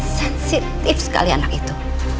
positif sekali anak itu